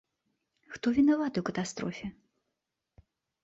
Хто вінаваты ў катастрофе?